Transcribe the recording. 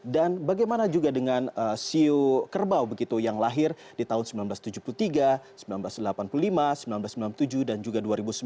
dan bagaimana juga dengan siu kerbau begitu yang lahir di tahun seribu sembilan ratus tujuh puluh tiga seribu sembilan ratus delapan puluh lima seribu sembilan ratus sembilan puluh tujuh dan juga dua ribu sembilan